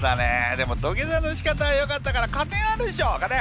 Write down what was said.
でも土下座のしかたはよかったから加点あるでしょ加点。